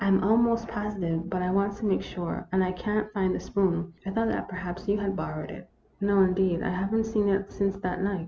" I 'm almost positive, but I want to make sure, and I can't find the spoon. I thought that perhaps you had borrowed it." " No, indeed. I have n't seen it since that night."